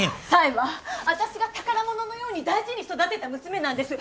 冴は私が宝物のように大事に育てた娘なんです。